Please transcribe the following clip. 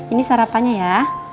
ini sarapannya ya